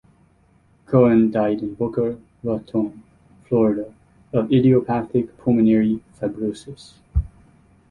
Cohen died in Boca Raton, Florida of idiopathic pulmonary fibrosis.